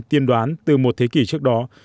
tiên đoán từ một thế kỷ trước đó